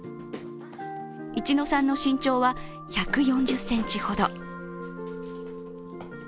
一乃さんの身長は１４０ｃｍほど。